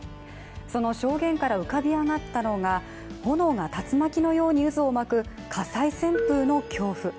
その証言から浮かび上がったのが、炎が竜巻のように渦を巻く火災旋風の恐怖。